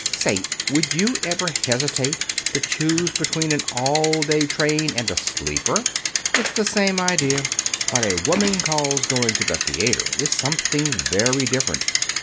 Say, would you ever hesitate to choose between an all day train and a sleeper? It's the same idea. What a woman calls going to the theater is something very different.